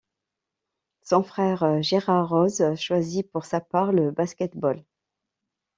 Son frère, Gérard Rose, choisit pour sa part le basket-ball.